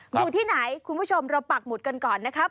อยู่ที่ไหนคุณผู้ชมเราปักหมุดกันก่อนนะครับ